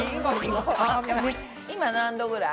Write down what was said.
今何度ぐらい？